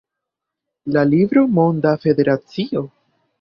La libro Monda Federacio?